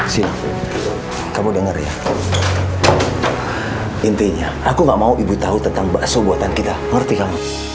sini kamu denger ya intinya aku nggak mau ibu tahu tentang bakso buatan kita ngerti kamu